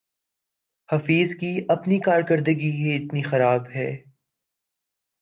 حفیظ کی اپنی کارکردگی ہی اتنی خراب ہے